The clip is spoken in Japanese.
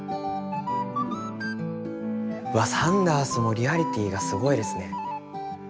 わっサンダースもリアリティーがすごいですね。